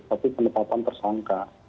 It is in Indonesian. tapi penetapan tersangka